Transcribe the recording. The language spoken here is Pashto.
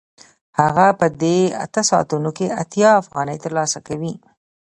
هغه په دې اته ساعتونو کې اتیا افغانۍ ترلاسه کوي